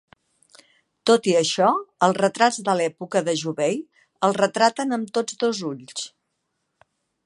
Tot i això, els retrats de l'època de Jubei el retraten amb tots dos ulls.